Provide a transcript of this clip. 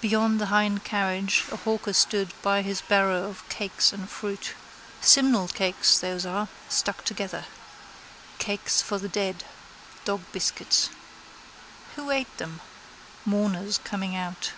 Beyond the hind carriage a hawker stood by his barrow of cakes and fruit. Simnel cakes those are, stuck together: cakes for the dead. Dogbiscuits. Who ate them? Mourners coming out.